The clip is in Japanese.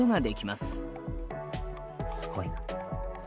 すごいな。